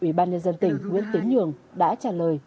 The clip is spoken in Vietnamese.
ubnd tỉnh nguyễn tính nhường đã trả lời